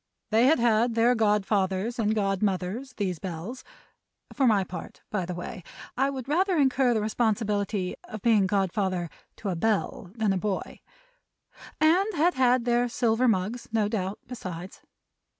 They had had their Godfathers and Godmothers, these Bells (for my part, by the way, I would rather incur the responsibility of being Godfather to a Bell than a Boy), and had had their silver mugs, no doubt, besides.